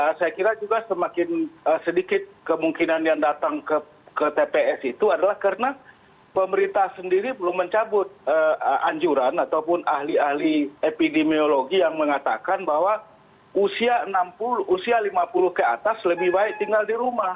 ya saya kira juga semakin sedikit kemungkinan yang datang ke tps itu adalah karena pemerintah sendiri belum mencabut anjuran ataupun ahli ahli epidemiologi yang mengatakan bahwa usia lima puluh ke atas lebih baik tinggal di rumah